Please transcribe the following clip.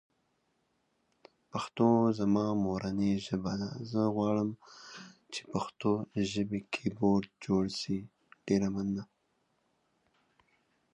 مور د ماشومانو سره مینه او احترام چلند کوي.